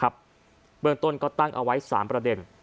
เบื้องต้นก็ตั้งเอาไว้๓ประเด็น